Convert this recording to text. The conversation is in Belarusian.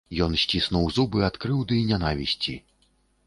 Ён сціснуў зубы ад крыўды і нянавісці.